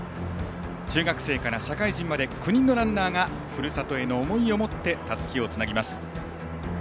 中学生から社会人まで９人のランナーがふるさとへの思いを持ってたすきをつなぎます。